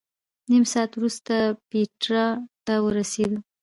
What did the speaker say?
نیم ساعت وروسته پېټرا ته ورسېدو.